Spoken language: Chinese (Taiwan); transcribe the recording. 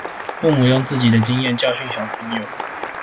父母用自己的經驗教訓小朋友